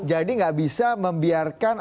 jadi nggak bisa membiarkan